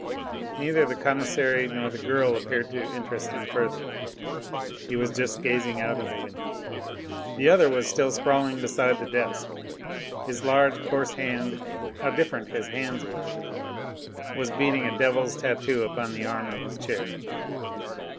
Neither the commissary nor the girl appeared to interest him further. He was just gazing out of the window. The other was still sprawling beside the desk, his large, coarse hand how different his hands were! was beating a devil's tatoo upon the arm of his chair.